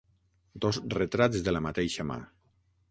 Dos retrats de la mateixa mà.